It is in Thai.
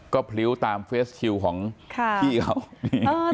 ก็พริ้วตามเฟสคิวของพี่เขานี่